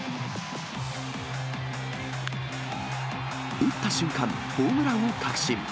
打った瞬間、ホームランを確信。